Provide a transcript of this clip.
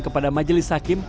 kepada majelis hakim